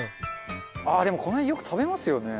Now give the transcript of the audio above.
ああでもこの辺よく食べますよね。